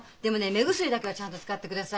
目薬だけはちゃんと使ってくださいね。